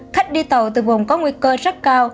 khách đi tàu từ vùng có nguy cơ rất cao